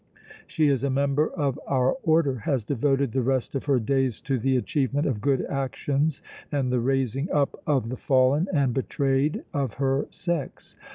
She is a member of our Order, has devoted the rest of her days to the achievement of good actions and the raising up of the fallen and betrayed of her sex.